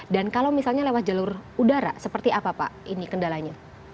dan kalau misalnya lewat jalur udara seperti apa pak ini kendalanya